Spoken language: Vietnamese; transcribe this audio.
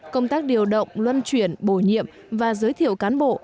công tác điều động luân chuyển bồi nhiệm và giới thiệu cán bộ